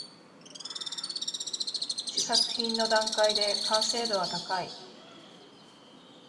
試作品の段階で完成度は高い